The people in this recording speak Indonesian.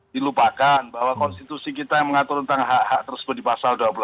dilupakan bahwa konstitusi kita yang mengatur tentang hak hak tersebut di pasal dua puluh delapan